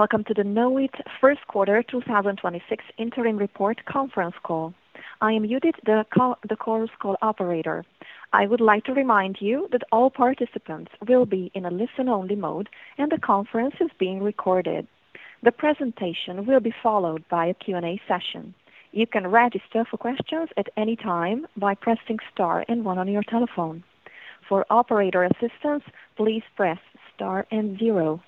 Welcome to the Knowit first quarter 2026 interim report conference call. I am Judith, the call's operator. I would like to remind you that all participants will be in a listen only mode, and the conference is being recorded. The presentation will be followed by a Q&A session. You can register for questions at any time by pressing star and one on your telephone. For operator assistance, please press star and zero.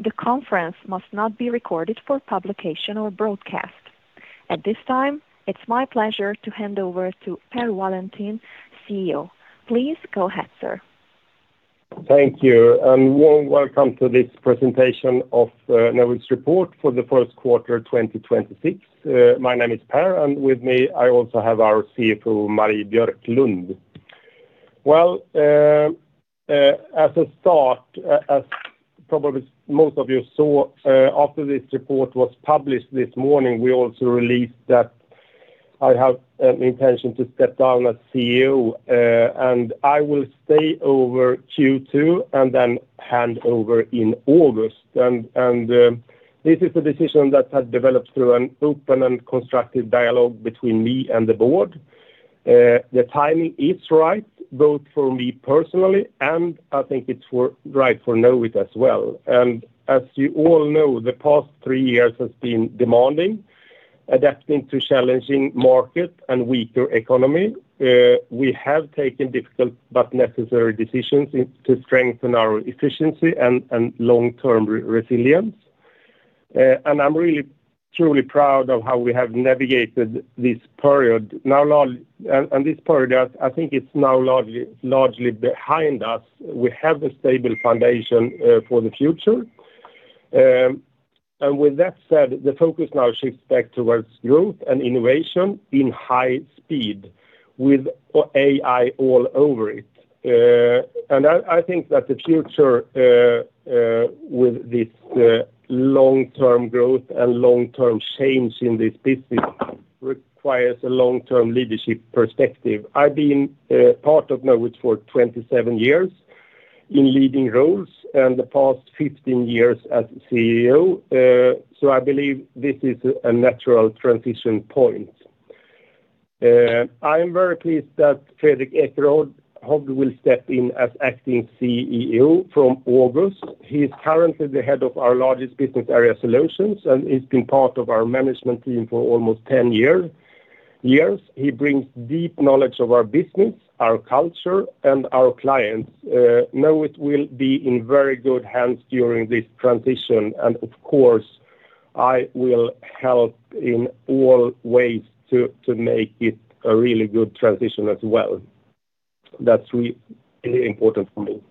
The conference must not be recorded for publication or broadcast. At this time, it's my pleasure to hand over to Per Wallentin, CEO. Please go ahead, sir. Thank you, warm welcome to this presentation of Knowit's report for the first quarter, 2026. My name is Per, with me I also have our CFO, Marie Björklund. Well, as a start, as probably most of you saw, after this report was published this morning, we also released that I have intention to step down as CEO. I will stay over Q2 and then hand over in August. This is a decision that has developed through an open and constructive dialogue between me and the board. The timing is right both for me personally, I think it's right for Knowit as well. As you all know, the past three years has been demanding, adapting to challenging market and weaker economy. We have taken difficult but necessary decisions to strengthen our efficiency and long-term resilience. I'm really truly proud of how we have navigated this period. This period, I think it's now largely behind us. We have a stable foundation for the future. With that said, the focus now shifts back towards growth and innovation in high speed with AI all over it. I think that the future, with this long-term growth and long-term change in this business requires a long-term leadership perspective. I've been part of Knowit for 27 years in leading roles and the past 15 years as CEO. I believe this is a natural transition point. I am very pleased that Fredrik Ekerhovd, hopefully will step in as acting CEO from August. He is currently the head of our largest business area Solutions and he's been part of our management team for almost 10 years. He brings deep knowledge of our business, our culture, and our clients. Knowit will be in very good hands during this transition, and of course, I will help in all ways to make it a really good transition as well. That's really important for me.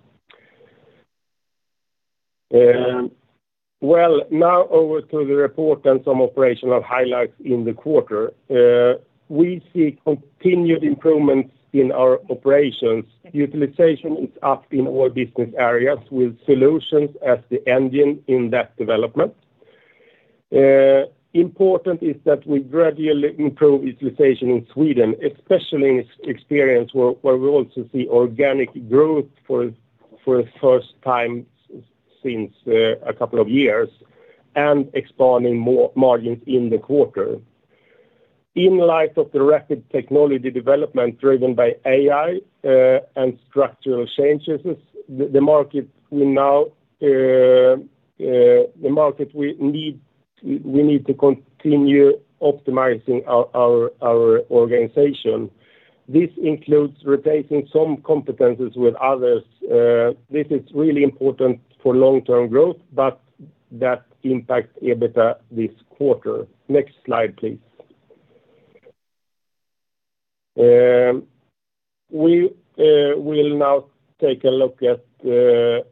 Well, now over to the report and some operational highlights in the quarter. We see continued improvements in our operations. Utilization is up in all business areas with Solutions as the engine in that development. Important is that we gradually improve utilization in Sweden, especially in Experience, where we also see organic growth for the first time since a couple of years and expanding more margins in the quarter. In light of the rapid technology development driven by AI and structural changes, we need to continue optimizing our organization. This includes replacing some competencies with others. This is really important for long-term growth, that impacts EBITDA this quarter. Next slide, please. We will now take a look at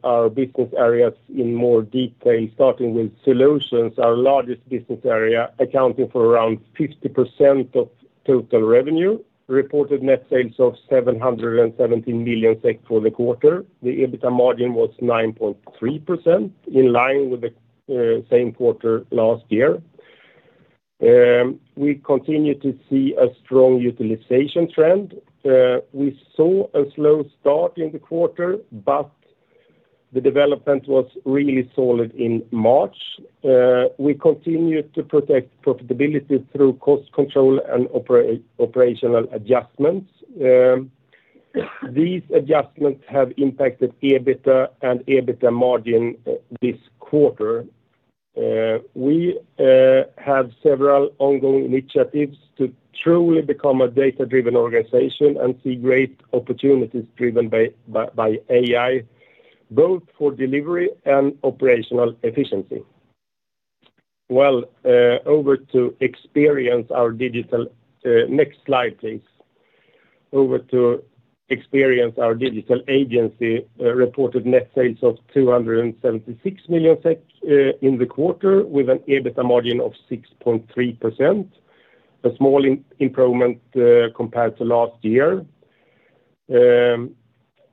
our business areas in more detail, starting with Solutions, our largest business area, accounting for around 50% of total revenue. Reported net sales of 717 million for the quarter. The EBITDA margin was 9.3%, in line with the same quarter last year. We continue to see a strong utilization trend. We saw a slow start in the quarter, but the development was really solid in March. We continued to protect profitability through cost control and operational adjustments. These adjustments have impacted EBITDA and EBITDA margin this quarter. We have several ongoing initiatives to truly become a data-driven organization and see great opportunities driven by AI, both for delivery and operational efficiency. Next slide, please. Over to Experience, our digital agency. Reported net sales of 276 million in the quarter with an EBITDA margin of 6.3%, a small improvement compared to last year.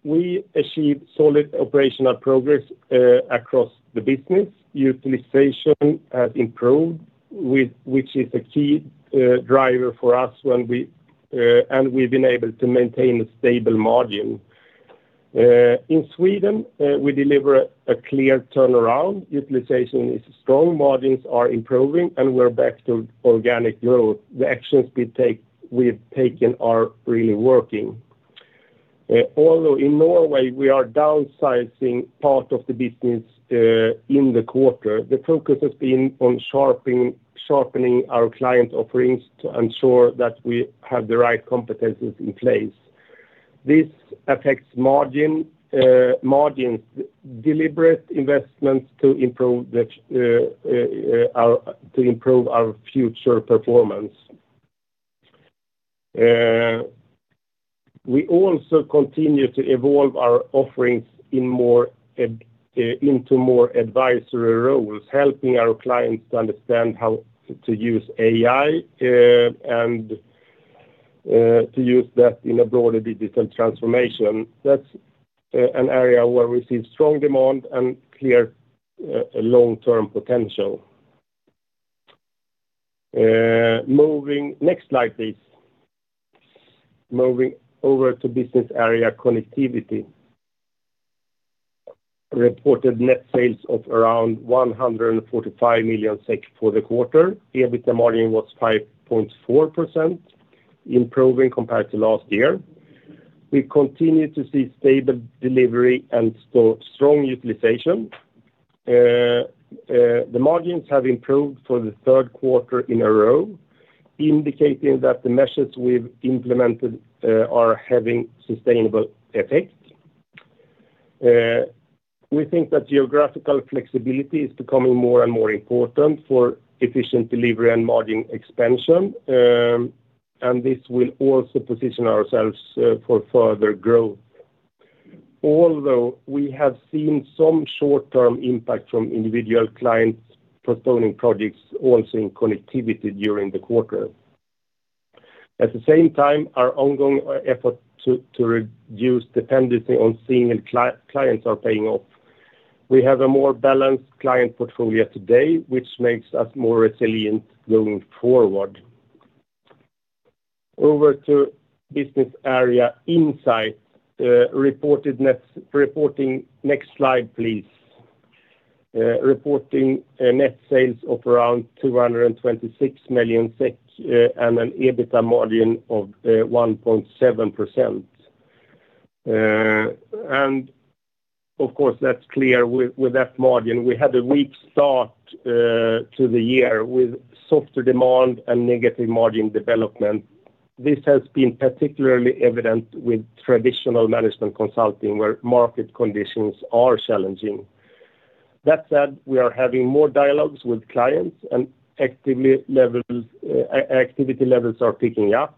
We achieved solid operational progress across the business. Utilization has improved, which is a key driver for us when we, and we've been able to maintain a stable margin. In Sweden, we deliver a clear turnaround. Utilization is strong, margins are improving, and we're back to organic growth. The actions we've taken are really working. Although in Norway, we are downsizing part of the business in the quarter. The focus has been on sharpening our client offerings to ensure that we have the right competencies in place. This affects margins, deliberate investments to improve our future performance. We also continue to evolve our offerings in more advisory roles, helping our clients to understand how to use AI and to use that in a broader digital transformation. That's an area where we see strong demand and clear long-term potential. Moving. Next slide, please. Moving over to business area Connectivity. Reported net sales of around 145 million SEK for the quarter. EBITDA margin was 5.4%, improving compared to last year. We continue to see stable delivery and strong utilization. The margins have improved for the third quarter in a row, indicating that the measures we've implemented are having sustainable effects. We think that geographical flexibility is becoming more and more important for efficient delivery and margin expansion, and this will also position ourselves for further growth. Although we have seen some short-term impact from individual clients postponing projects also in Connectivity during the quarter. At the same time, our ongoing effort to reduce dependency on single clients are paying off. We have a more balanced client portfolio today, which makes us more resilient going forward. Over to business area Insight. Reporting. Next slide, please. Reporting net sales of around 226 million SEK and an EBITDA margin of 1.7%. Of course, that's clear with that margin, we had a weak start to the year with softer demand and negative margin development. This has been particularly evident with traditional management consulting, where market conditions are challenging. That said, we are having more dialogues with clients, and activity levels are picking up.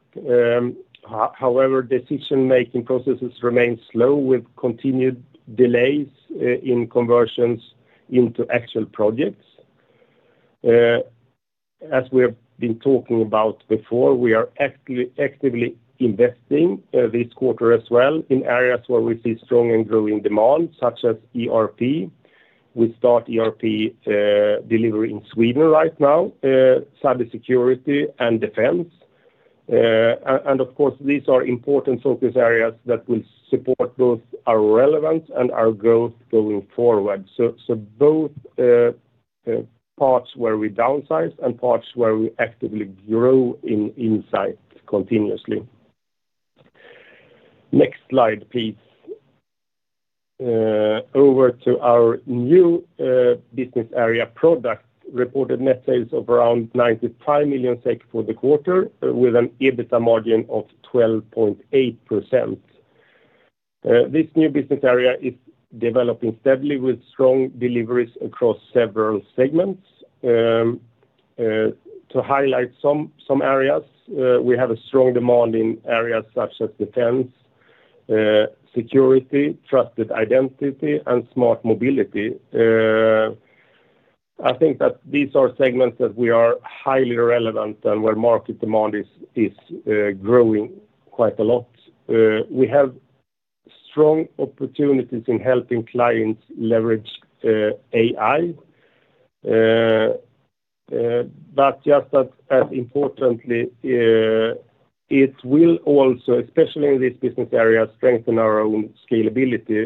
However, decision-making processes remain slow, with continued delays in conversions into actual projects. As we have been talking about before, we are actively investing this quarter as well in areas where we see strong and growing demand, such as ERP. We start ERP delivery in Sweden right now, cybersecurity and defense. Of course, these are important focus areas that will support both our relevance and our growth going forward. Both parts where we downsize and parts where we actively grow in Insight continuously. Next slide, please. Over to our new business area Product. Reported net sales of around 95 million for the quarter, with an EBITDA margin of 12.8%. This new business area is developing steadily with strong deliveries across several segments. To highlight some areas, we have a strong demand in areas such as defense, security, trusted identity, and smart mobility. I think that these are segments that we are highly relevant and where market demand is growing quite a lot. We have strong opportunities in helping clients leverage AI. Just as importantly, it will also, especially in this business area, strengthen our own scalability,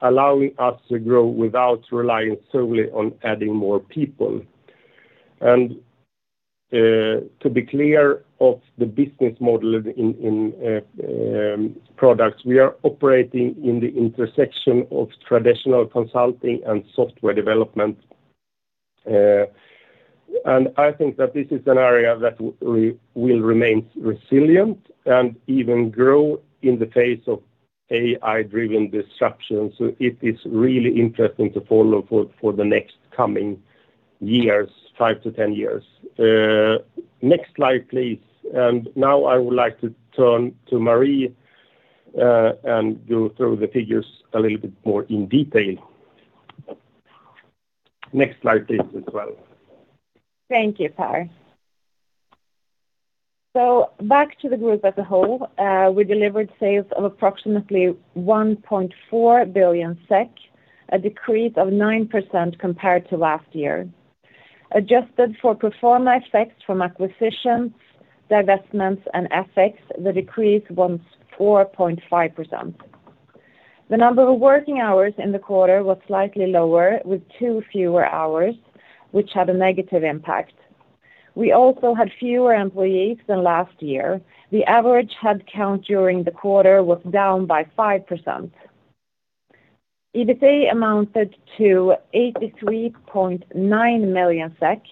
allowing us to grow without relying solely on adding more people. To be clear of the business model in products, we are operating in the intersection of traditional consulting and software development. I think that this is an area that we will remain resilient and even grow in the face of AI-driven disruption. It is really interesting to follow for the next coming years, 5-10 years. Next slide, please. Now I would like to turn to Marie, and go through the figures a little bit more in detail. Next slide, please, as well. Thank you, Per. Back to the group as a whole. We delivered sales of approximately 1.4 billion SEK, a decrease of 9% compared to last year. Adjusted for performance effects from acquisitions, divestments, and effects, the decrease was 4.5%. The number of working hours in the quarter was slightly lower, with two fewer hours, which had a negative impact. We also had fewer employees than last year. The average headcount during the quarter was down by 5%. EBITDA amounted to 83.9 million SEK,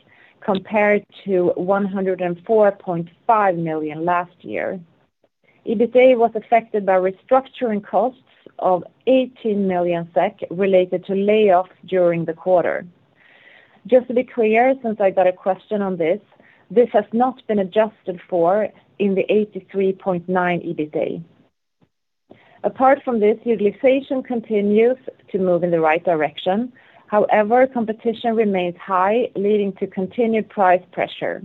compared to 104.5 million last year. EBITDA was affected by restructuring costs of 18 million SEK related to layoffs during the quarter. Just to be clear, since I got a question on this has not been adjusted for in the 83.9 million EBITDA. Apart from this, utilization continues to move in the right direction. However, competition remains high, leading to continued price pressure.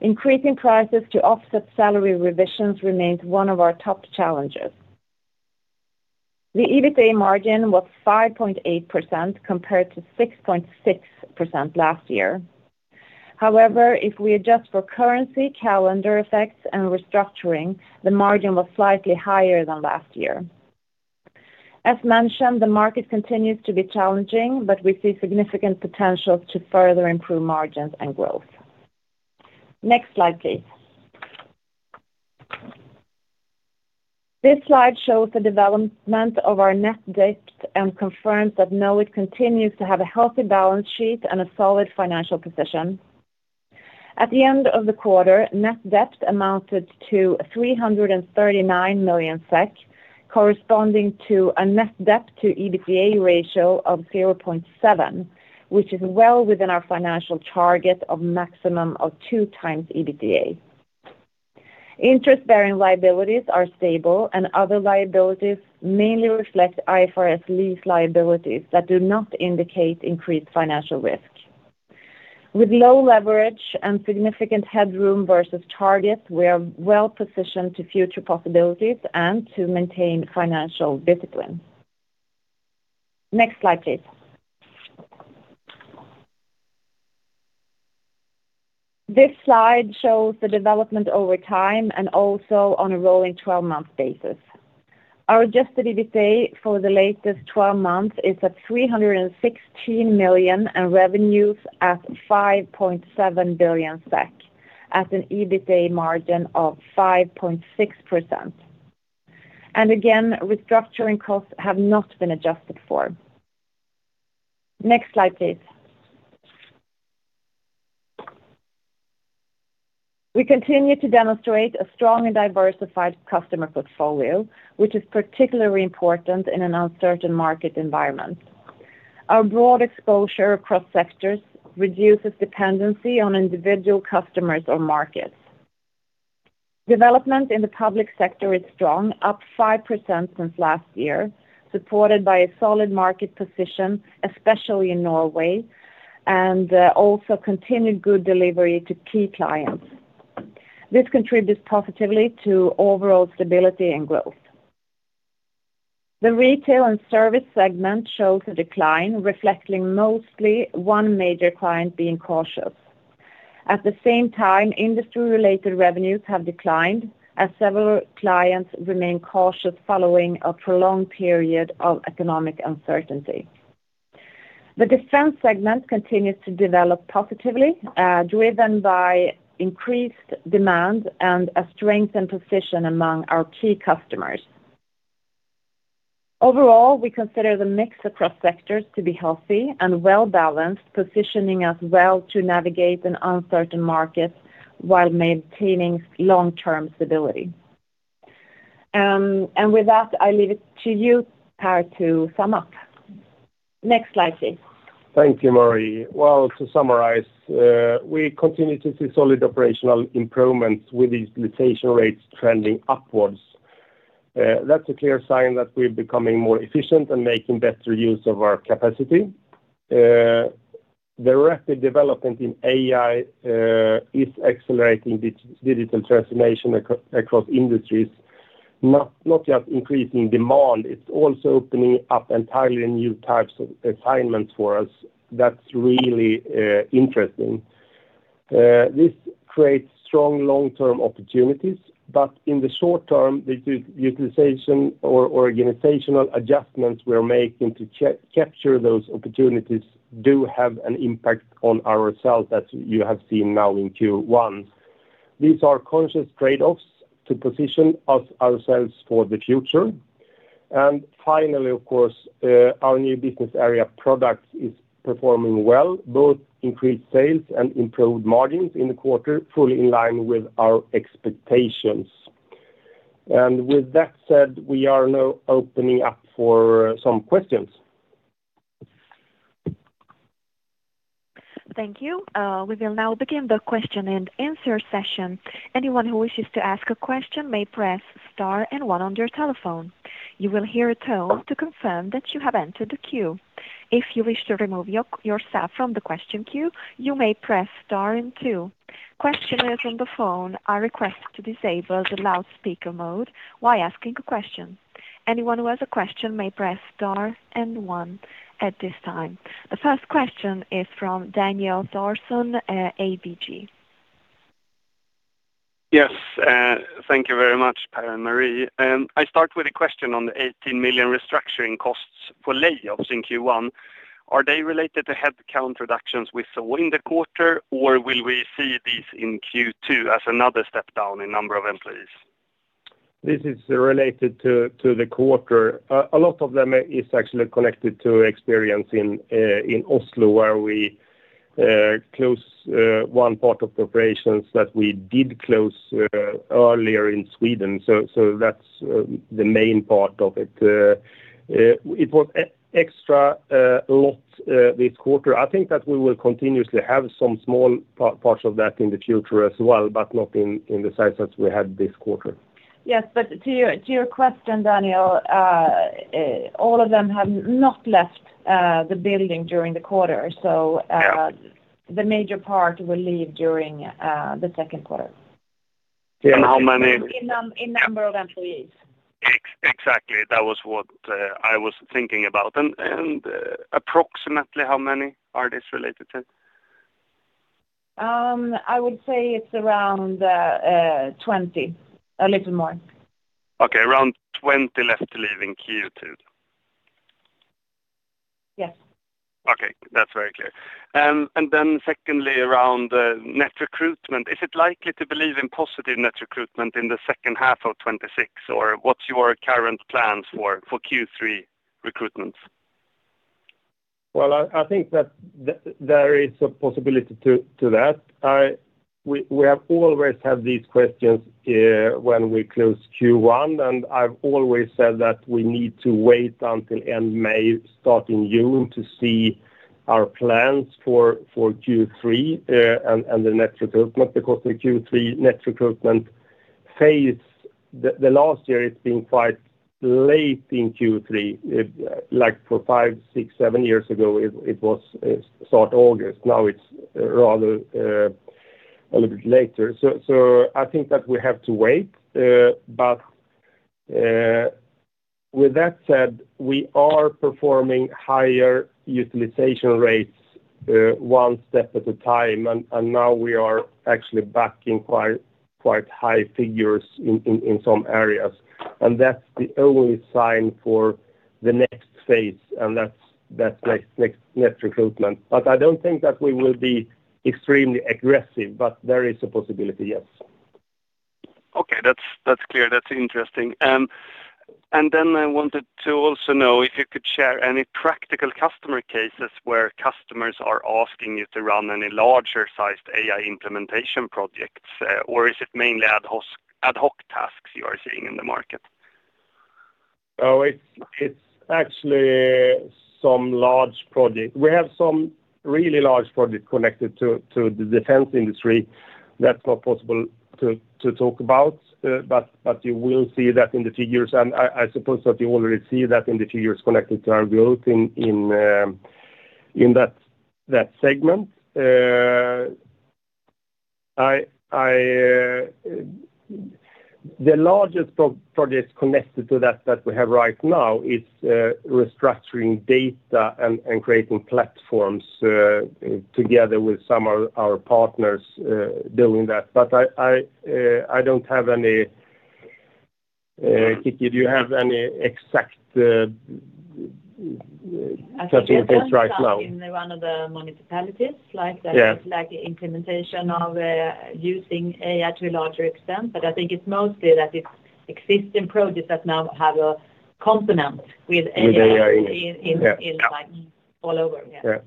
Increasing prices to offset salary revisions remains one of our top challenges. The EBITDA margin was 5.8% compared to 6.6% last year. However, if we adjust for currency, calendar effects, and restructuring, the margin was slightly higher than last year. As mentioned, the market continues to be challenging, but we see significant potential to further improve margins and growth. Next slide, please. This slide shows the development of our net debt and confirms that Knowit continues to have a healthy balance sheet and a solid financial position. At the end of the quarter, net debt amounted to 339 million SEK, corresponding to a net debt to EBITDA ratio of 0.7x, which is well within our financial target of maximum of 2x EBITDA. Interest-bearing liabilities are stable, and other liabilities mainly reflect IFRS lease liabilities that do not indicate increased financial risk. With low leverage and significant headroom versus targets, we are well-positioned to future possibilities and to maintain financial discipline. Next slide, please. This slide shows the development over time and also on a rolling 12-month basis. Our adjusted EBITDA for the latest 12 months is at 316 million, and revenues at 5.7 billion SEK at an EBITDA margin of 5.6%. Again, restructuring costs have not been adjusted for. Next slide, please. We continue to demonstrate a strong and diversified customer portfolio, which is particularly important in an uncertain market environment. Our broad exposure across sectors reduces dependency on individual customers or markets. Development in the public sector is strong, up 5% since last year, supported by a solid market position, especially in Norway, also continued good delivery to key clients. This contributes positively to overall stability and growth. The retail and service segment shows a decline, reflecting mostly one major client being cautious. At the same time, industry-related revenues have declined as several clients remain cautious following a prolonged period of economic uncertainty. The defense segment continues to develop positively, driven by increased demand and a strength and position among our key customers. Overall, we consider the mix across sectors to be healthy and well-balanced, positioning us well to navigate an uncertain market while maintaining long-term stability. With that, I leave it to you, Per, to sum up. Next slide, please. Thank you, Marie. Well, to summarize, we continue to see solid operational improvements with the utilization rates trending upwards. That's a clear sign that we're becoming more efficient and making better use of our capacity. The rapid development in AI is accelerating digital transformation across industries, not just increasing demand, it's also opening up entirely new types of assignments for us. That's really interesting. This creates strong long-term opportunities, but in the short term, the utilization or organizational adjustments we are making to capture those opportunities do have an impact on ourselves, as you have seen now in Q1. These are conscious trade-offs to position ourselves for the future. Finally, of course, our new business area Products is performing well, both increased sales and improved margins in the quarter, fully in line with our expectations. With that said, we are now opening up for some questions. Thank you. We will now begin the question and answer session. Anyone who wishes to ask a question may press star and one on your telephone. You will hear a tone to confirm that you have entered the queue. If you wish to remove yourself from the question queue, you may press star and two. Questioners on the phone are requested to disable the loudspeaker mode while asking a question. Anyone who has a question may press star and one at this time. The first question is from Daniel Thorsson, ABG. Yes, thank you very much, Per and Marie. I start with a question on the 18 million restructuring costs for layoffs in Q1. Are they related to headcount reductions we saw in the quarter, or will we see these in Q2 as another step down in number of employees? This is related to the quarter. A lot of them is actually connected to Experience in Oslo, where we close one part of the operations that we did close earlier in Sweden. That's the main part of it. It was extra lot this quarter. I think that we will continuously have some small parts of that in the future as well, but not in the size that we had this quarter. Yes, to your question, Daniel, all of them have not left the building during the quarter. Yeah. The major part will leave during the second quarter. How many- In number of employees. Exactly. That was what I was thinking about. Approximately how many are this related to? I would say it's around, 20, a little more. Okay. Around 20 left to leave in Q2. Yes. Okay. That's very clear. Secondly, around net recruitment, is it likely to believe in positive net recruitment in the second half of 2026, or what's your current plans for Q3 recruitment? Well, I think that there is a possibility to that. We have always had these questions when we close Q1, and I've always said that we need to wait until end May, start in June to see our plans for Q3 and the net recruitment. Because the Q3 net recruitment phase, the last year, it's been quite late in Q3. Like for five, six, seven years ago, it start August. Now it's rather a little bit later. I think that we have to wait. With that said, we are performing higher utilization rates one step at a time. Now we are actually backing quite high figures in some areas. That's the early sign for the next phase, and that's next net recruitment. I don't think that we will be extremely aggressive, but there is a possibility, yes. Okay. That's clear. That's interesting. Then I wanted to also know if you could share any practical customer cases where customers are asking you to run any larger sized AI implementation projects, or is it mainly ad hoc tasks you are seeing in the market? Oh, it's actually some large project. We have some really large project connected to the defense industry that's not possible to talk about. You will see that in the figures. I suppose that you already see that in the figures connected to our growth in that segment. I, the largest project connected to that we have right now is restructuring data and creating platforms together with some of our partners doing that. I don't have any. Christi, do you have any exact customer case right now? I think we have one stuck in one of the municipalities like that. Yeah. Like the implementation of using AI to a larger extent, but I think it's mostly that it's existing projects that now have a component with AI- With AI in it. In like all over. Yeah. Yeah.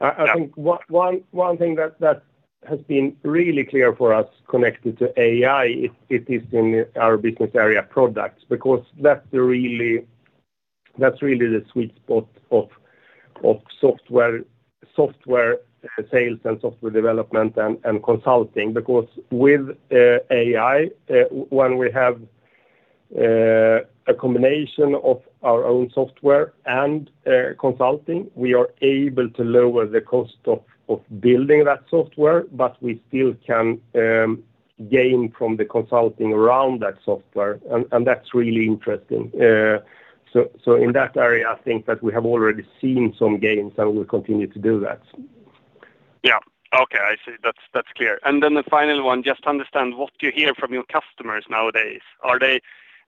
I think one thing that has been really clear for us connected to AI is it is in our business area Products, because that's really the sweet spot of software sales and software development and consulting. With AI, when we have a combination of our own software and consulting, we are able to lower the cost of building that software, but we still can gain from the consulting around that software. That's really interesting. In that area, I think that we have already seen some gains, and we'll continue to do that. Yeah. Okay, I see. That's clear. The final one, just to understand what you hear from your customers nowadays. Are they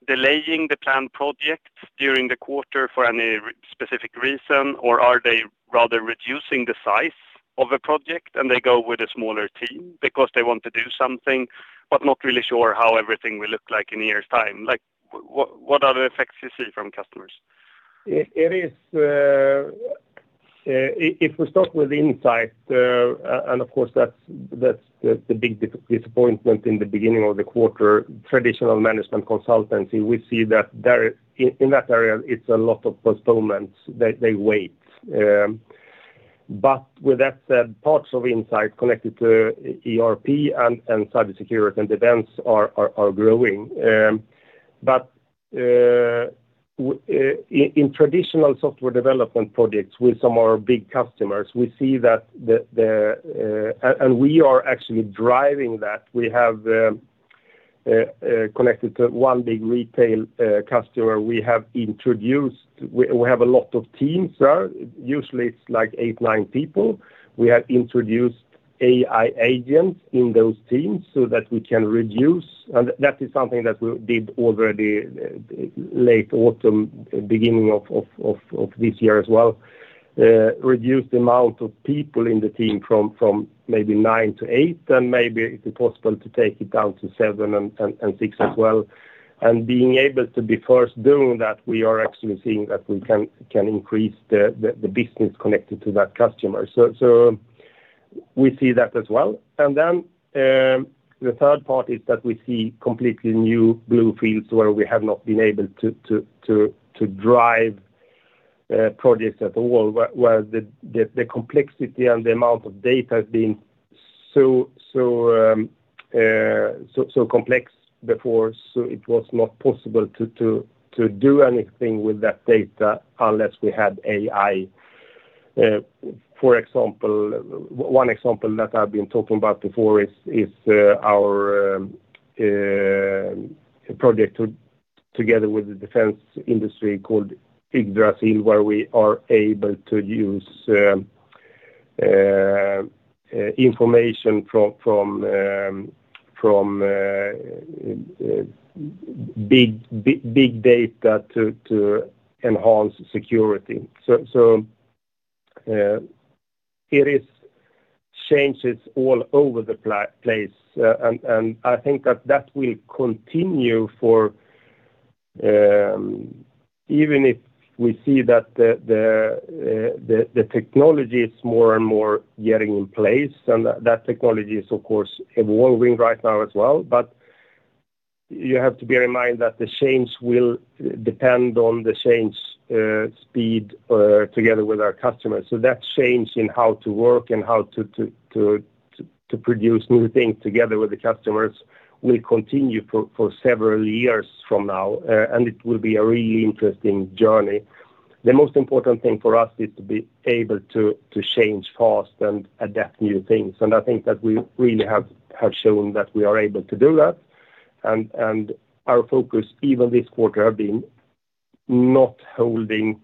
delaying the planned projects during the quarter for any specific reason, or are they rather reducing the size of a project and they go with a smaller team because they want to do something, but not really sure how everything will look like in a year's time? Like, what are the effects you see from customers? It is, if we start with Insight, of course, that's the big disappointment in the beginning of the quarter, traditional management consultancy. We see that there, in that area, it's a lot of postponements. They wait. With that said, parts of Insight connected to ERP and cybersecurity and events are growing. In traditional software development projects with some of our big customers, we see that. We are actually driving that. Connected to one big retail customer we have a lot of teams there. Usually it's like eight, nine people. We have introduced AI agents in those teams so that we can reduce. That is something that we did already late autumn, beginning of this year as well. Reduce the amount of people in the team from maybe nine to eight, and maybe it's possible to take it down to seven and six as well. Being able to be first doing that, we are actually seeing that we can increase the business connected to that customer. We see that as well. The third part is that we see completely new blue fields where we have not been able to drive projects at all. Where the complexity and the amount of data has been so complex before, it was not possible to do anything with that data unless we had AI. For example, one example that I've been talking about before is our project together with the defense industry called Yggdrasil, where we are able to use information from big data to enhance security. It is changes all over the place. I think that that will continue for even if we see that the technology is more and more getting in place, that technology is of course evolving right now as well. You have to bear in mind that the change will depend on the change speed together with our customers. That change in how to work and how to produce new things together with the customers will continue for several years from now. It will be a really interesting journey. The most important thing for us is to be able to change fast and adapt new things. I think that we really have shown that we are able to do that. Our focus even this quarter have been not holding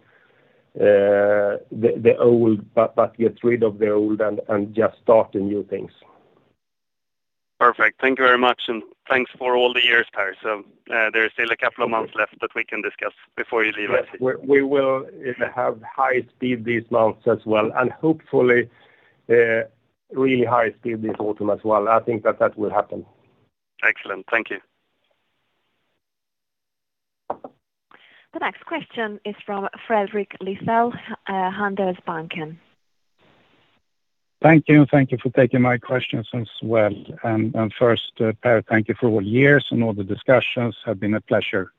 the old, but get rid of the old and just start the new things. Perfect. Thank you very much, and thanks for all the years, Per. There are still a couple of months left that we can discuss before you leave [IC]. Yes. We will have high speed these months as well. Hopefully, really high speed this autumn as well. I think that will happen. Excellent. Thank you. The next question is from Fredrik Lithell, Handelsbanken. Thank you, and thank you for taking my questions as well. First, Per, thank you for all the years and all the discussions. Have been a pleasure.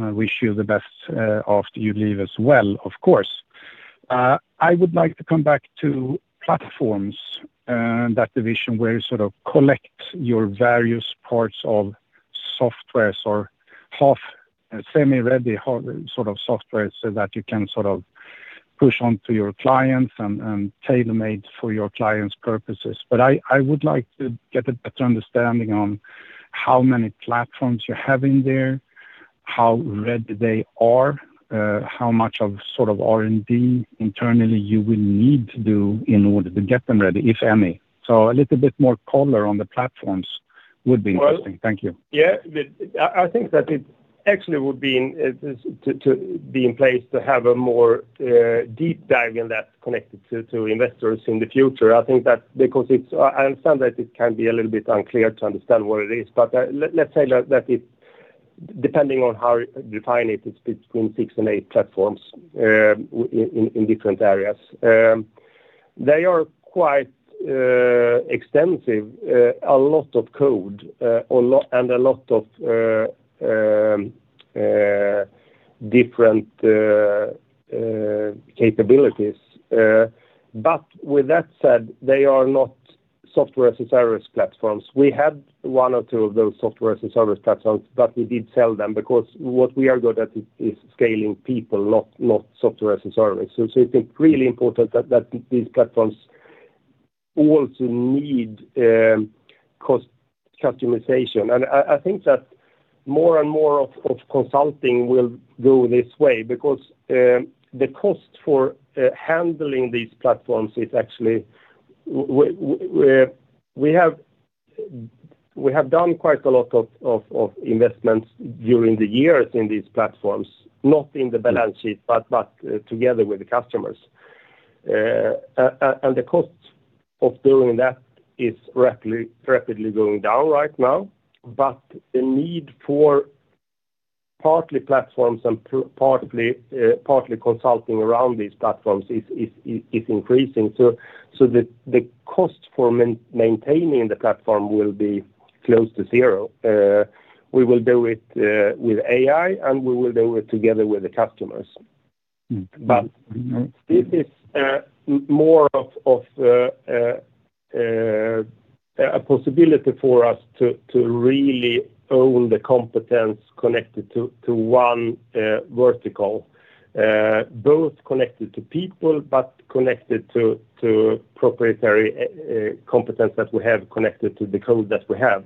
I wish you the best after you leave as well, of course. I would like to come back to platforms, that division where you sort of collect your various parts of softwares or half, semi-ready sort of software so that you can sort of push on to your clients and tailor-made for your clients' purposes. I would like to get a better understanding on how many platforms you have in there, how ready they are, how much of sort of R&D internally you will need to do in order to get them ready, if any. A little bit more color on the platforms would be interesting. Thank you. Well, I think that it actually would be in place to have a more deep dive in that connected to investors in the future. I think that because I understand that it can be a little bit unclear to understand what it is. Let's say that it, depending on how you define it's between six and eight platforms, in different areas. They are quite extensive. A lot of code, and a lot of different capabilities. With that said, they are not software as a service platforms. We had one or two of those software as a service platforms, we did sell them because what we are good at is scaling people, not software as a service. It's really important that these platforms also need customization. I think that more and more of consulting will go this way because the cost for handling these platforms is actually we have done quite a lot of investments during the years in these platforms, not in the balance sheet, but together with the customers. The cost of doing that is rapidly going down right now. The need for partly platforms and partly consulting around these platforms is increasing. The cost for maintaining the platform will be close to zero. We will do it with AI, we will do it together with the customers. This is more of a possibility for us to really own the competence connected to one vertical. Both connected to people, but connected to proprietary competence that we have connected to the code that we have.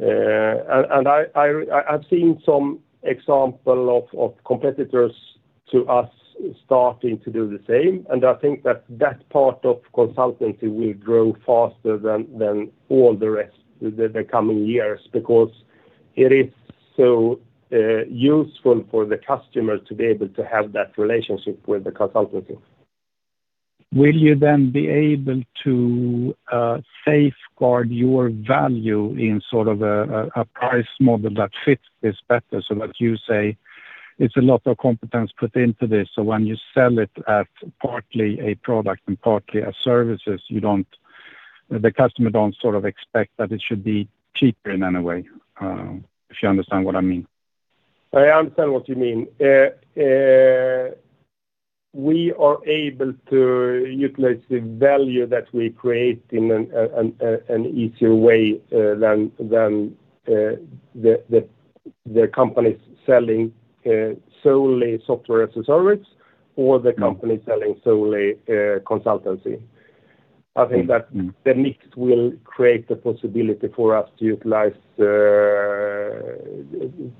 And I've seen some example of competitors to us starting to do the same. I think that that part of consultancy will grow faster than all the rest the coming years because it is so useful for the customer to be able to have that relationship with the consultancy. Will you then be able to safeguard your value in sort of a price model that fits this better? Like you say, it's a lot of competence put into this. When you sell it at partly a product and partly a services, the customer don't sort of expect that it should be cheaper in any way, if you understand what I mean. I understand what you mean. We are able to utilize the value that we create in an easier way than the companies selling solely software as a service or the company selling solely consultancy. I think that the mix will create the possibility for us to utilize the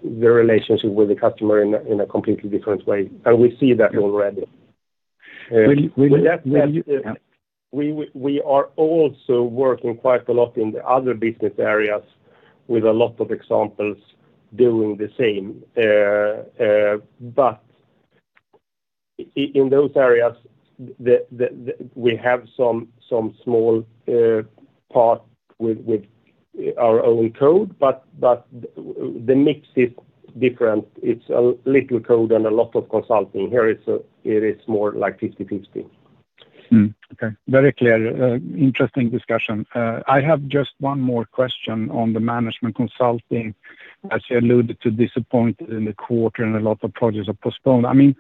relationship with the customer in a completely different way, and we see that already. Will you, will you- With that said. Yeah. We are also working quite a lot in the other business areas with a lot of examples doing the same. In those areas, the, we have some small part with our own code, but the mix is different. It's a little code and a lot of consulting. Here it's, it is more like 50/50. Okay. Very clear. Interesting discussion. I have just one more question on the management consulting. As you alluded to disappoint in the quarter, and a lot of projects are postponed. I mean,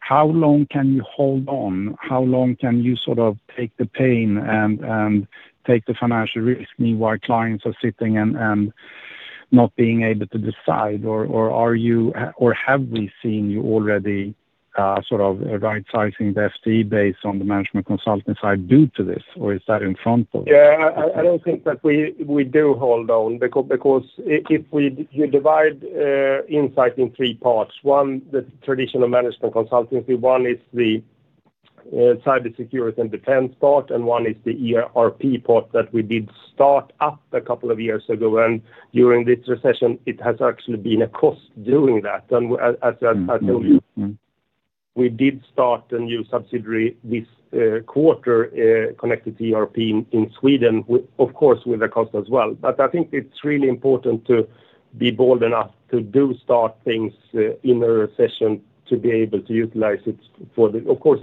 how long can you hold on? How long can you sort of take the pain and take the financial risk meanwhile clients are sitting and not being able to decide? Have we seen you already sort of rightsizing the FTE based on the management consulting side due to this, or is that in front of us? Yeah. I don't think that we do hold on because if we you divide Insight in three parts, one, the traditional management consultancy, one is the cybersecurity and defense part, and one is the ERP part that we did start up a couple of years ago. During this recession, it has actually been a cost doing that. As I told you- We did start a new subsidiary this quarter, connected to ERP in Sweden, of course, with a cost as well. I think it's really important to be bold enough to do start things in a recession to be able to utilize it. Of course,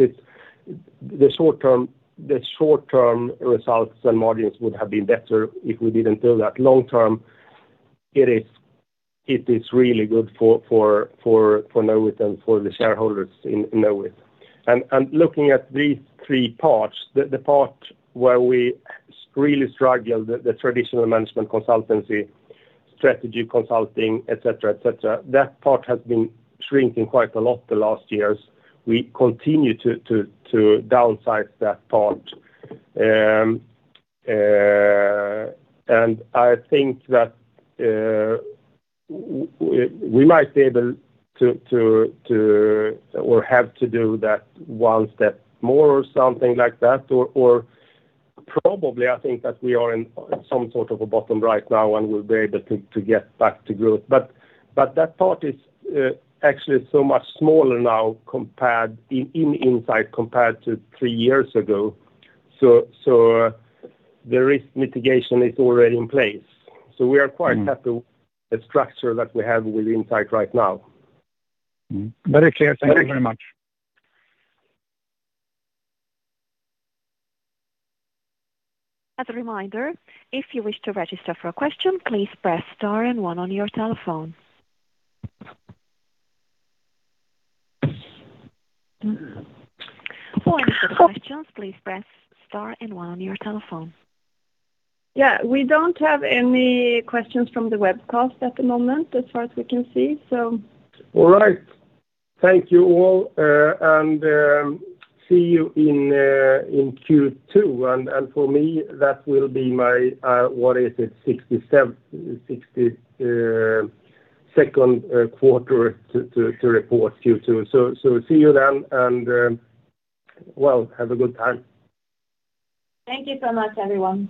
the short term results and margins would have been better if we didn't do that. Long term, it is really good for Knowit and for the shareholders in Knowit. Looking at these three parts, the part where we really struggle, the traditional management consultancy, strategy consulting, et cetera, et cetera, that part has been shrinking quite a lot the last years. We continue to downsize that part. I think that we might be able to- Or have to do that one step more or something like that, or probably, I think that we are in some sort of a bottom right now, and we'll be able to get back to growth. That part is, actually so much smaller now in Insight compared to three years ago. The risk mitigation is already in place. We are quite happy with the structure that we have with Insight right now. Very clear. Thank you very much. As a reminder, if you wish to register for a question, please press star and one on your telephone. To register for a question, please press star and one on your telephone. Yeah. We don't have any questions from the webcast at the moment as far as we can see. All right. Thank you all, and see you in Q2. For me, that will be my, what is it? 62nd quarter to report Q2. See you then, and well, have a good time. Thank you so much, everyone.